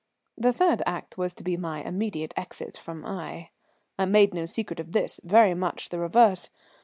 The third act was to be my immediate exit from Aix. I made no secret of this, very much the reverse.